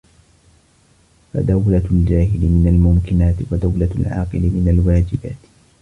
فَدَوْلَةُ الْجَاهِلِ مِنْ الْمُمْكِنَاتِ ، وَدَوْلَةُ الْعَاقِلِ مِنْ الْوَاجِبَاتِ